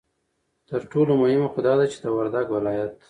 ترټولو مهمه خو دا ده چې د وردگ ولايت